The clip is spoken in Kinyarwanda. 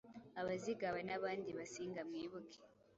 Abazigaba n'abandi Basinga. Mwibuke